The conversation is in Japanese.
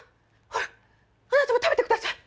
ほらあなたも食べて下さい。